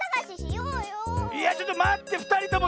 いやちょっとまってふたりとも！